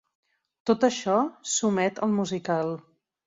Tot això s'omet al musical.